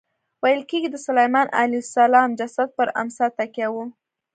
ویل کېږي د سلیمان علیه السلام جسد پر امسا تکیه و.